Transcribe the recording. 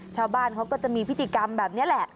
ชาวบ้านเขาก็จะมีพิธีกรรมแบบนี้แหละ